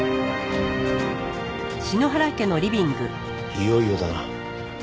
いよいよだな。